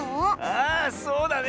ああそうだね。